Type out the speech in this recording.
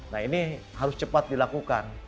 nah ini harus cepat dilakukan